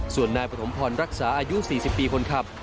ส่วนนายปฐมพรรักษาอายุ๔๐ปีคนขับ